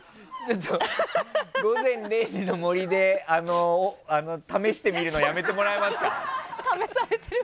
「午前０時の森」で試してみるのやめてもらえますか。